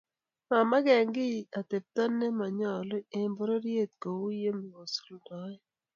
mamakey kiy atepto ne manyalu eng pororiet kou ye kisuldoe